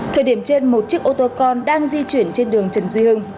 thời điểm trên một chiếc ô tô con đang di chuyển trên đường trần duy hưng